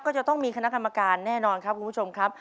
ก็จะต้องมีคณะกรรมการแน่นอนครับคุณผู้ชมครับ